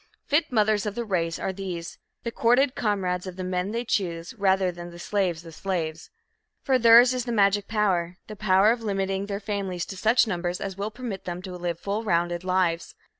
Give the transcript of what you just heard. Fit mothers of the race are these, the courted comrades of the men they choose, rather than the "slaves of slaves." For theirs is the magic power the power of limiting their families to such numbers as will permit them to live full rounded lives.